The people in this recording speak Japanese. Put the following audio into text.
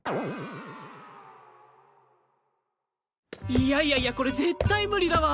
いやいやいやこれ絶対無理だわ！